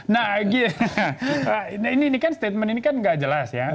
nah ini kan statement ini kan gak jelas ya